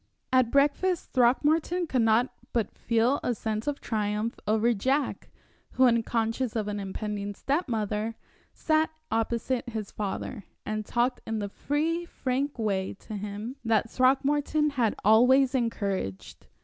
At breakfast, Throckmorton could not but feel a sense of triumph over Jack, who, unconscious of an impending step mother, sat opposite his father, and talked in the free, frank way to him that Throckmorton had always encouraged.